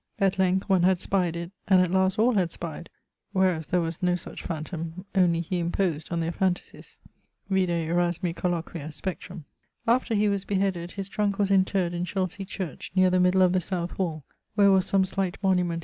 At length one had spyed it, and at last all had spied. Wheras there was no such phantôme; only he imposed on their phantasies. [XXXVI.] Vide Erasmi Colloquia 'Spectrum.' After he was beheaded, his trunke was interred in Chelsey church, neer the middle of the south wall, where was some slight monument[XXXVII.